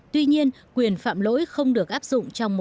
tuy nhiên quyền phạm lỗi không được phát triển